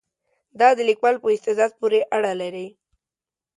دا د لیکوال په استعداد پورې اړه لري.